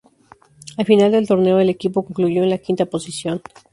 Al final del torneo el equipo concluyó en la quinta posición.